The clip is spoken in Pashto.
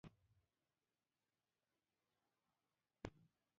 یوې مچۍ په یو غوایي ناسته وه.